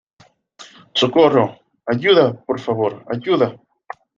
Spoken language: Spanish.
¡ socorro! ¡ ayuda, por favor , ayuda !